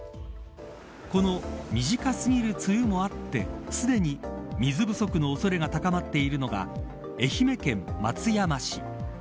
この短すぎる梅雨もあってすでに水不足の恐れが高まっているのが愛媛県松山市。